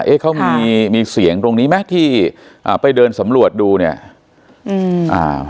เอ๊ะเขามีมีเสียงตรงนี้ไหมที่อ่าไปเดินสำรวจดูเนี้ยอืมอ่า